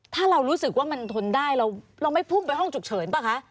ถ้าเรารู้สึกว่ามันทนได้เราไม่พุ่งไปห้องฉุกเฉินป่ะคะ